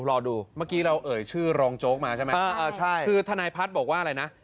รอดูเมื่อกี้เราเอ่ยชื่อรองโจ๊กมาใช่ไหมคือทนายพัฒน์บอกว่าอะไรนะ